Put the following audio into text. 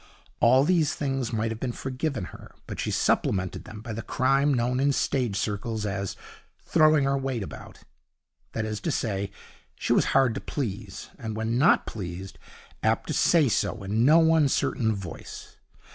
All these things might have been forgiven her, but she supplemented them by the crime known in stage circles as 'throwing her weight about'. That is to say, she was hard to please, and, when not pleased, apt to say so in no uncertain voice.